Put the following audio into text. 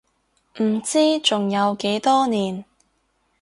唔知仲有幾多年